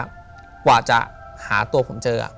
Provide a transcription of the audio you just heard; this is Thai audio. กว่าจะหาตัวผมเจอ